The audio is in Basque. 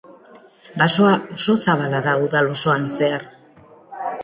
Basoa oso zabala da udal osoan zehar.